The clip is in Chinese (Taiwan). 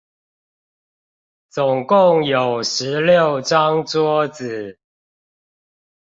總共有十六張桌子